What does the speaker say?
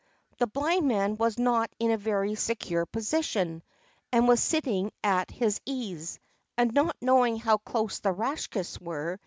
The Blind Man was not in a very secure position, and was sitting at his ease, not knowing how close the Rakshas were.